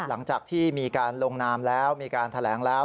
หลังจากที่มีการลงนามแล้วมีการแถลงแล้ว